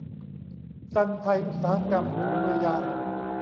ซันไทยอุตสาหกรรมถุงมือยาง